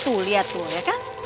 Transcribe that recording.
tuh lihat tuh ya kan